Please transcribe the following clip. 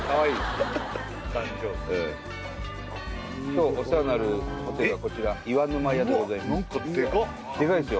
今日お世話になるホテルはこちら岩沼屋でございます